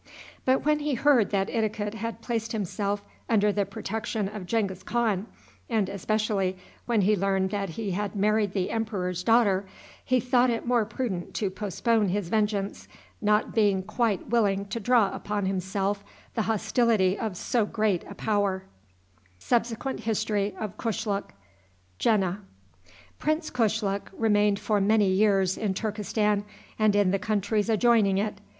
But when he heard that Idikut had placed himself under the protection of Genghis Khan, and especially when he learned that he had married the emperor's daughter, he thought it more prudent to postpone his vengeance, not being quite willing to draw upon himself the hostility of so great a power. Prince Kushluk remained for many years in Turkestan and in the countries adjoining it.